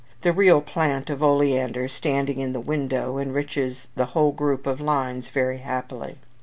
The real plant of oleander standing in the window enriches the whole group of lines very happily.